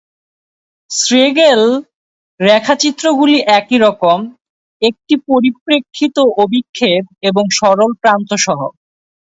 Schlegel রেখাচিত্রগুলি একই রকম, একটি পরিপ্রেক্ষিত অভিক্ষেপ এবং সরল প্রান্তসহ।